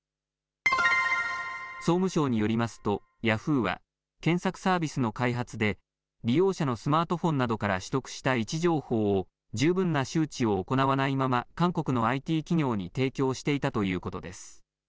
総務省によりますとヤフーは検索サービスの開発で利用者のスマートフォンなどから取得した位置情報を十分な周知を行わないまま韓国のＩＴ企業に提供していたということです。